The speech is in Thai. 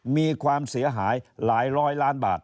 มีความเสียหายหลายร้อยล้านบาท